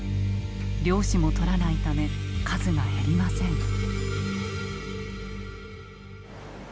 漁師も取らないため数が減りません。